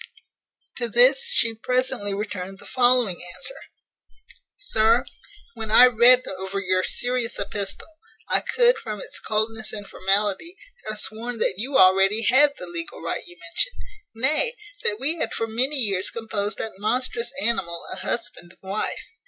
To this she presently returned the following answer: "SIR, "When I read over your serious epistle, I could, from its coldness and formality, have sworn that you already had the legal right you mention; nay, that we had for many years composed that monstrous animal a husband and wife.